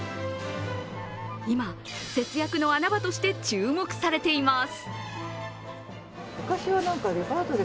今、節約の穴場として注目されています。